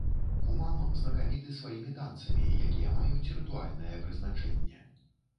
Кумам знакаміты сваімі танцамі, якія маюць рытуальнае прызначэнне.